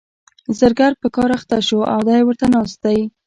زرګر په کار اخته شو او دی ورته ناست دی.